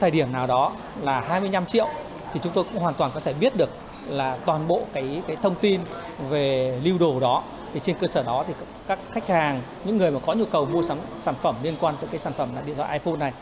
về lưu đồ đó trên cơ sở đó các khách hàng những người có nhu cầu mua sản phẩm liên quan đến sản phẩm điện thoại iphone này